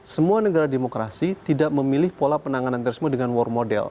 semua negara demokrasi tidak memilih pola penanganan terorisme dengan war model